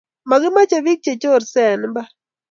Makimache pik che chores en mbar